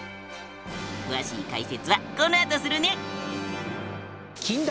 詳しい解説はこのあとするね！